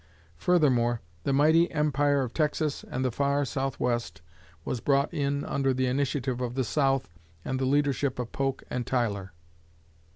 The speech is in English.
Furthermore, the mighty empire of Texas and the far Southwest was brought in under the initiative of the South and the leadership of Polk and Tyler.